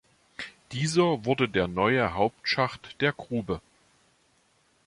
Dieser wurde der neue Hauptschacht der Grube.